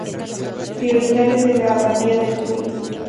Priorato de la abadía de Tulle.